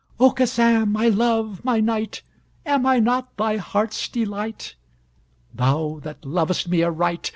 Aucassin, my love, my knight, Am I not thy heart's delight? Thou that lovest me aright!